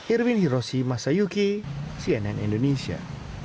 irwin hiroshi masayuki cnn indonesia